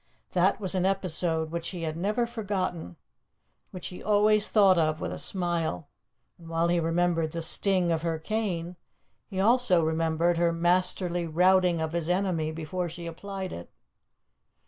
That was an episode which he had never forgotten, which he always thought of with a smile; and while he remembered the sting of her cane, he also remembered her masterly routing of his enemy before she applied it.